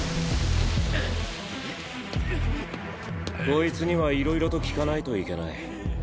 こいつにはいろいろと聞かないといけない。